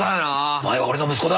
お前は俺の息子だ！